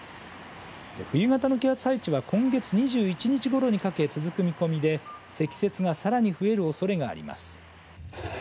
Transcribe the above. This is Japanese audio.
冬型の気圧配置は今月２１日ごろにかけ続く見込みで積雪がさらに増えるおそれがあります。